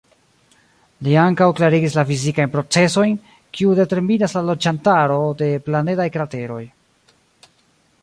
Li ankaŭ klarigis la fizikajn procezojn, kiu determinas la loĝantaro de planedaj krateroj.